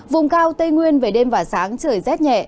vùng cao tây nguyên về đêm và sáng trời rét nhẹ